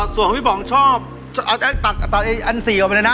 ส่วนพี่ป๋องชอบตัดอันสี่ออกไปเลยนะ